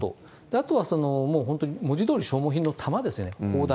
あとは、もう本当に文字どおり、消耗品の弾ですよね、砲弾。